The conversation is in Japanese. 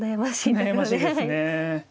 悩ましいですね。